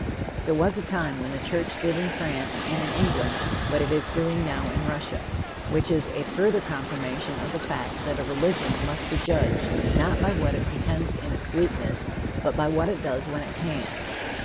There was a time when the church did in France and in England what it is doing now in Russia, which is a further confirmation of the fact that a religion must be judged not by what it pretends in its weakness, but by what it does when it can.